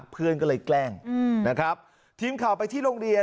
เพื่อนก็เลยแกล้งนะครับทีมข่าวไปที่โรงเรียน